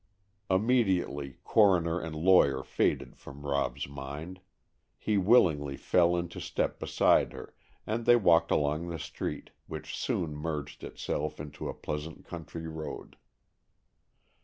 Immediately coroner and lawyer faded from Rob's mind, he willingly fell into step beside her, and they walked along the street which soon merged itself into a pleasant country road.